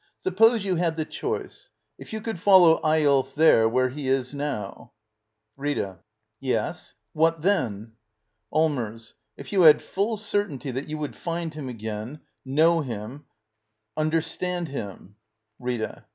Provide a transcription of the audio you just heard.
] Suppose you had the choice — If you could follow Eyolf there, where he is now —? Rita. Yes? What then? Allmers. If you had full certainty that 3^u would find him again — know him — understand him —? Rita.